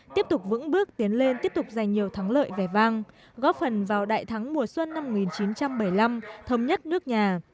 tiếp tục vững bước tiến lên tiếp tục giành nhiều thắng lợi vẻ vang góp phần vào đại thắng mùa xuân năm một nghìn chín trăm bảy mươi năm thống nhất nước nhà